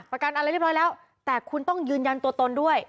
ประกันอะไรเรียบร้อยแล้วแต่คุณต้องยืนยันตัวตนด้วย